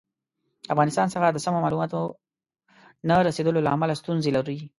د افغانستان څخه د سمو معلوماتو نه رسېدلو له امله ستونزې لري.